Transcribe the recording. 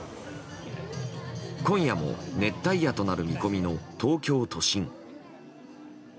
今夜も熱帯夜となる見込みの東京都心。